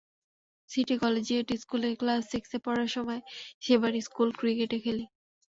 City collegiate স্কুলে class সিক্সে পড়ার সময় সেবার স্কুল ক্রিকেটে খেলি।